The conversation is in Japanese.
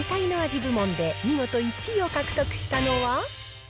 部門で見事１位を獲得したのは。